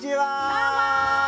どうも！